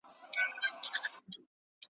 پکښي عیب یې وو د هر سړي کتلی .